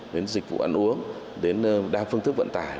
đến dịch vụ ăn uống đến đa phương thức vận tải